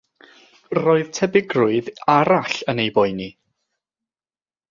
Roedd tebygrwydd arall yn ei boeni.